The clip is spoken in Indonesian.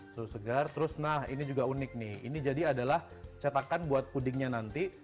suhu segar terus nah ini juga unik nih ini jadi adalah cetakan buat pudingnya nanti